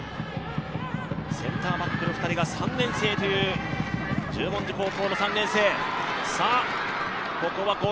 センターバックの２人が３年生という十文字高校。